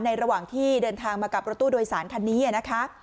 ระหว่างที่เดินทางมากับรถตู้โดยสารคันนี้นะคะ